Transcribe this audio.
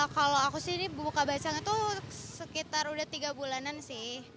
kalau aku sih buka baca itu sekitar udah tiga bulanan sih